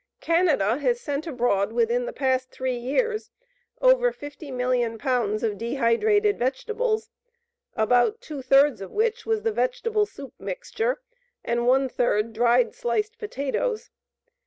Canada has sent abroad within the past 3 years over 50 million pounds of dehydrated vegetables, about two thirds of which was the vegetable soup mixture and one third dried sliced potatoes.